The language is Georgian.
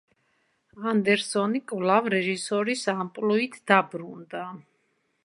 ანდერსონი კვლავ რეჟისორის ამპლუით დაბრუნდა.